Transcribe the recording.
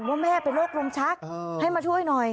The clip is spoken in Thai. ว่าแม่เป็นโรคลมชักให้มาช่วยหน่อย